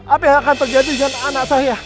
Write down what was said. apa yang akan terjadi dengan anak saya